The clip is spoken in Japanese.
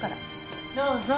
どうぞ。